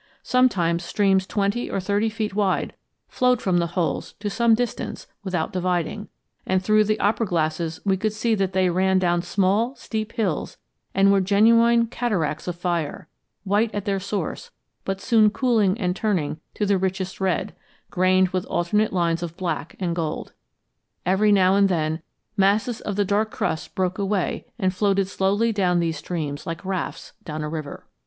Sometimes streams twenty or thirty feet wide flowed from the holes to some distance without dividing and through the opera glasses we could see that they ran down small, steep hills and were genuine cataracts of fire, white at their source, but soon cooling and turning to the richest red, grained with alternate lines of black and gold. Every now and then masses of the dark crust broke away and floated slowly down these streams like rafts down a river.